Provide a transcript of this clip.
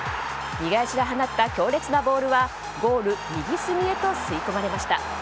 右足で放った強烈なボールはゴール右隅へと吸い込まれました。